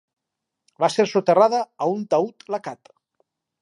Va ser soterrada a un taüt lacat.